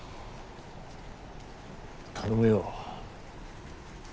頼むよ。